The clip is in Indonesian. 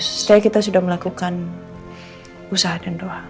setiap kita sudah melakukan usaha dan doa